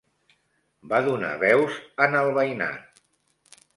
Van donar veus a n'al veïnat